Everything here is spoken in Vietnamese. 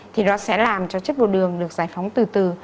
thì nó sẽ làm cho chất đồ đường được giải phóng từ từ